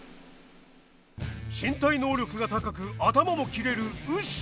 身体能力が高く頭も切れるウシ。